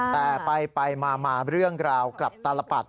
แต่ไปมาเรื่องราวกลับตลปัด